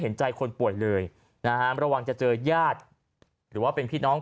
เห็นใจคนป่วยเลยนะฮะระวังจะเจอญาติหรือว่าเป็นพี่น้อง